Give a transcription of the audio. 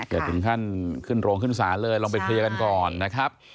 อย่าถึงขั้นขึ้นโรงขึ้นศาลเลยลองไปเคลียร์กันก่อนนะครับ